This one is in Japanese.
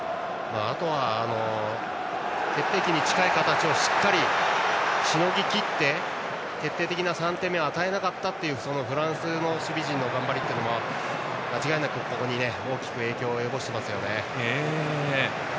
あとは、決定機に近い形をしっかりしのぎきって決定的な３点目を与えなかったフランスの守備陣の頑張りも間違いなく影響を及ぼしていますね。